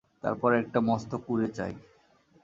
তারপর একটা মস্ত কুঁড়ে চাই।